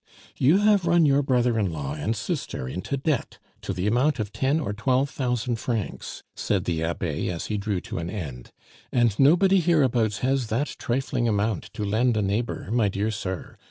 "You have run your brother in law and sister into debt to the amount of ten or twelve thousand francs," said the Abbe as he drew to an end, "and nobody hereabouts has that trifling amount to lend a neighbor, my dear sir.